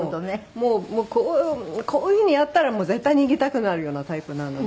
もうこういうふうにやったら絶対逃げたくなるようなタイプなので。